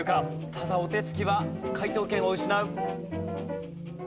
ただお手つきは解答権を失う。